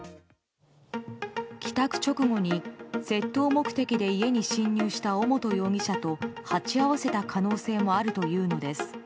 帰宅直後に窃盗目的で家に侵入した尾本容疑者と鉢合わせた可能性もあるというのです。